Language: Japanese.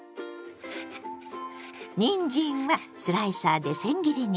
にんじんはスライサーでせん切りにします。